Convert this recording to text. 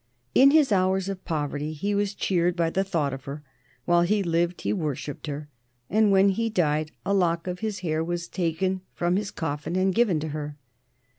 In his hours of poverty he was cheered by the thought of her; while he lived he worshipped her, and when he died a lock of his hair was taken from his coffin and given to her.